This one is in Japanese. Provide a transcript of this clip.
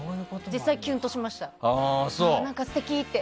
実際、きゅんとしました。